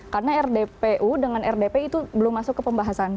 karena rdpu dengan rdp itu belum masuk ke pembahasan